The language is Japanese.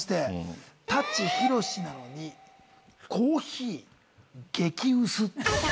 舘ひろしなのにコーヒー激うす。